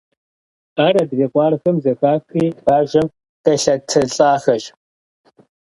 Ар адрей къуаргъхэм зэхахри бажэм къелъэтылӀахэщ.